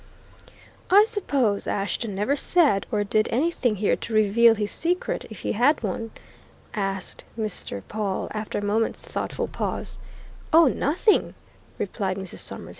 "I suppose Ashton never said or did anything here to reveal his secret, if he had one?" asked Mr. Pawle, after a moment's thoughtful pause. "Oh, nothing!" replied Mrs. Summers.